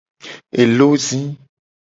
Elo zi.